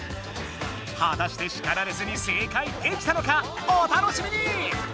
はたして叱られずに正解できたのか⁉お楽しみに！